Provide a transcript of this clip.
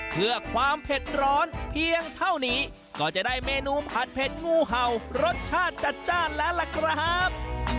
เพื่อความเผ็ดร้อนเพียงเท่านี้ก็จะได้เมนูผัดเผ็ดงูเห่ารสชาติจัดจ้านแล้วล่ะครับ